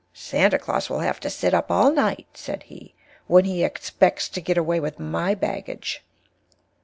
Santa Claus will Have to Sit up all Night, said He, when he Expects to get away with my Baggage.